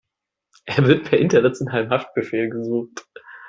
Er wird per internationalem Haftbefehl gesucht.